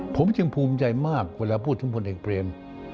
ผมจึงภูมิใจมากเวลาพูดถึงพลเอกเปรม